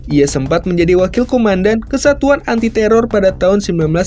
ia sempat menjadi wakil komandan kesatuan anti teror pada tahun seribu sembilan ratus sembilan puluh